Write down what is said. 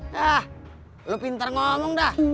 hah lu pintar ngomong dah